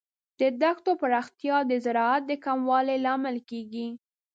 د دښتو پراختیا د زراعت د کموالي لامل کیږي.